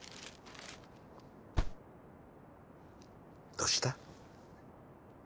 どうした？